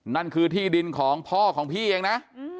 นั่นคือที่ดินของพ่อของพี่เองนะ